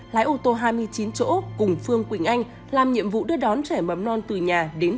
lái ô tô hai mươi chín chỗ cùng phương quỳnh anh làm nhiệm vụ đưa đón trẻ mầm non từ nhà đến